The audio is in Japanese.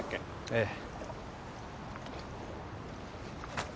ええ。